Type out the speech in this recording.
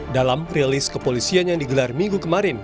dalam rilis kepolisian yang digelar minggu kemarin